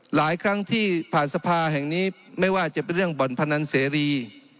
หลายครั้งที่ผ่านสภาแห่งนี้ไม่ว่าจะเป็นเรื่องบ่อนพนันเสรี